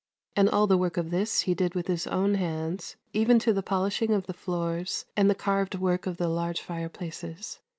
And all the work of this he did with his own hands, even to the polishing of the floors and the carved work of the large fireplaces.